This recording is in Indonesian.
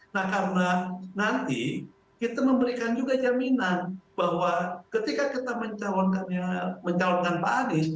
nah karena nanti kita memberikan juga jaminan bahwa ketika kita mencalonkan pak anies